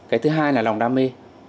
cái thứ hai là lòng đam mê